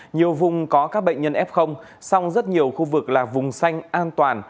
nhiều vùng có các bệnh nhân f song rất nhiều khu vực là vùng xanh an toàn